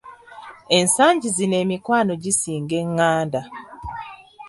Ensangi zino emikwano gisinga eղղanda.